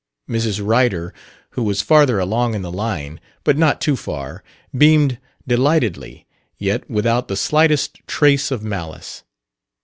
Mrs. Ryder, who was farther along in the line, but not too far, beamed delightedly, yet without the slightest trace of malice.